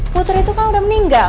putri itu kan udah meninggal